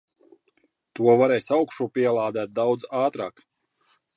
To varēs augšupielādēt daudz ātrāk.